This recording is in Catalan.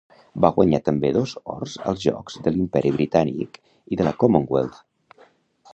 Va guanyar també dos ors als Jocs de l'Imperi Britànic i de la Commonwealth.